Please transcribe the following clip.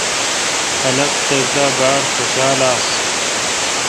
خلق تس دا باڑ خوشال آس۔